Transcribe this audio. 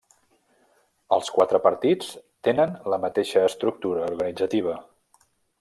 Els quatre partits tenen la mateixa estructura organitzativa.